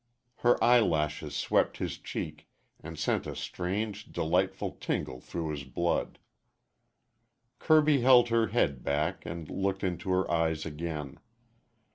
Her eyelashes swept his cheek and sent a strange, delightful tingle through his blood. Kirby held her head back and looked into her eyes again.